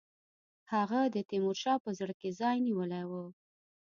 هغه د تیمورشاه په زړه کې ځای نیولی وو.